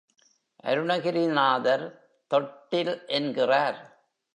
அருணகிரி நாதர் தொட்டில் என்கிறார்.